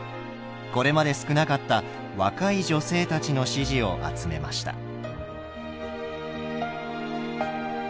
これまで少なかった若い女性たちの支持を集めました。